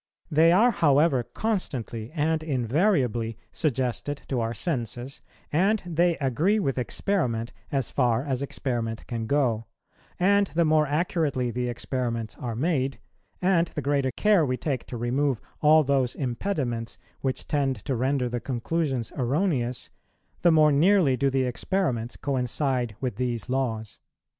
They are, however, constantly, and invariably, suggested to our senses, and they agree with experiment as far as experiment can go; and the more accurately the experiments are made, and the greater care we take to remove all those impediments which tend to render the conclusions erroneous, the more nearly do the experiments coincide with these laws."